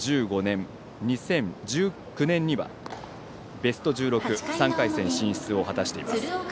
２０１５年、２０１９年にはベスト１６３回戦進出を果たしています。